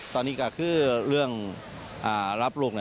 ตอนนี้ก็คือเรื่องรับลูก